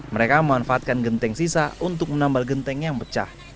mereka memanfaatkan genteng sisa untuk menambal genteng yang pecah